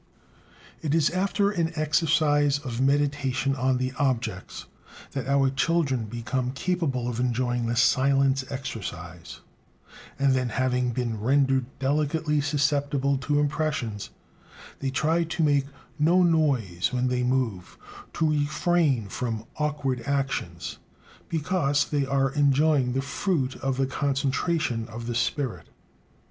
It is after an exercise of meditation on the objects that our children become capable of enjoying "the silence exercise"; and then, having been rendered delicately susceptible to impressions, they try to make no noise when they move, to refrain from awkward actions, because they are enjoying the fruit of the "concentration" of the spirit.